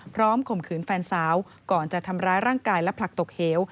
ข่มขืนแฟนสาวก่อนจะทำร้ายร่างกายและผลักตกเหว